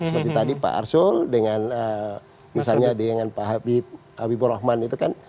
seperti tadi pak arsul dengan misalnya dengan pak habib habibur rahman itu kan